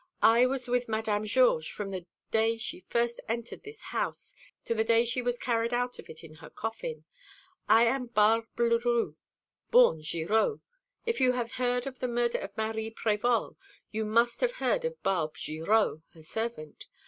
I was with Madame Georges from the day she first entered this house to the day she was carried out of it in her coffin. I am Barbe Leroux, born Girot. If you have heard of the murder of Marie Prévol, you must have heard of Barbe Girot, her servant.